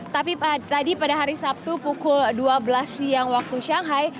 tapi tadi pada hari sabtu pukul dua belas siang waktu shanghai